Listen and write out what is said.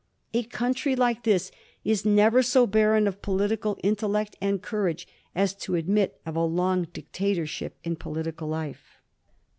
A country like this is never so barren of political intellect and courage as to admit of a long dictatorship in political life.